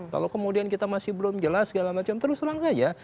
kalau kemudian kita masih belum jelas segala macam terus terang saja